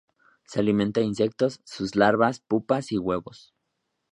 Se alimenta de insectos, sus larvas, pupas y huevos.